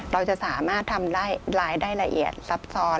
เราจะสามารถทำได้รายได้ละเอียดซับซ้อน